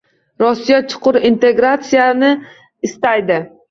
Rossiya chuqur integratsiyani istaydi